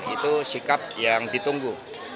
itu sikap yang ditunggu